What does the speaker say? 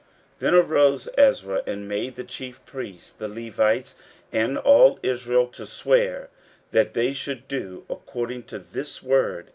15:010:005 Then arose Ezra, and made the chief priests, the Levites, and all Israel, to swear that they should do according to this word.